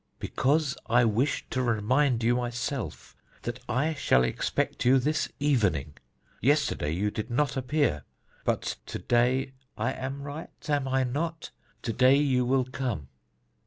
"Because I wish to remind you myself that I shall expect you this evening. Yesterday you did not appear; but to day I am right, am I not? to day you will come."